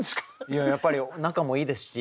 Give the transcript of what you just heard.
いややっぱり仲もいいですし。